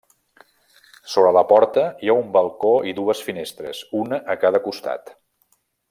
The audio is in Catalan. Sobre la porta hi ha un balcó i dues finestres, una a cada costat.